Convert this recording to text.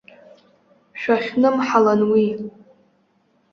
Шәахьнымҳалан уи!